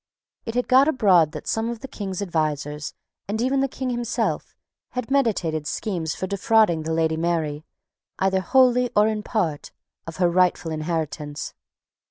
It had got abroad that some of the King's advisers, and even the King himself, had meditated schemes for defrauding the Lady Mary, either wholly or in part, of her rightful inheritance.